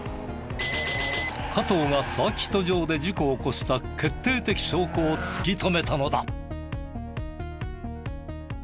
加藤がサーキット場で事故を起こした決定的証拠を突き止めたのだ。